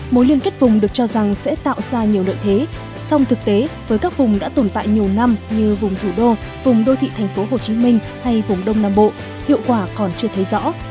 mối liên kết vùng được cho rằng sẽ tạo ra nhiều lợi thế song thực tế với các vùng đã tồn tại nhiều năm như vùng thủ đô vùng đô thị tp hcm hay vùng đông nam bộ hiệu quả còn chưa thấy rõ